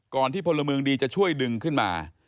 ที่พลเมืองดีจะช่วยดึงขึ้นมา